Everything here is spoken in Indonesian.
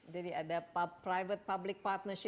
jadi ada pemerintah yang punya infrastruktur air limbah